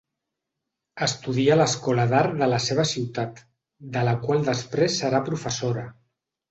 Estudia a l'Escola d'Art de la seva ciutat, de la qual després serà professora.